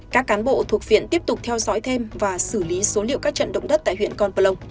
các cán bộ thuộc viện tiếp tục theo dõi thêm và xử lý số liệu các trận động đất tại huyện con plông